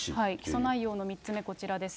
起訴内容の３つ目、こちらです。